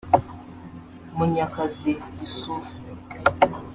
Munyakazi Yussuf